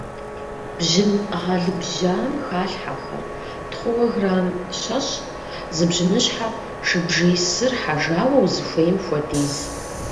Бжьын гъэлыбжьам халъхьэхэр: тхъууэ грамм щэщӏ, зы бжьыныщхьэ, шыбжий сыр хьэжауэ — узыхуейм хуэдиз.